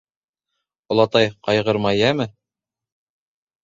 — Олатай, ҡайғырма, йәме!